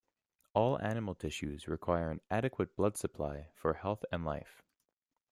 All animal tissues require an adequate blood supply for health and life.